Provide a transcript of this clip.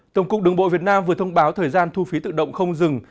tổng cục đường bộ việt nam vừa thông báo thời gian thu phí tự động không dừng